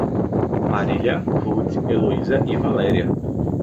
Marília, Ruth, Heloísa e Valéria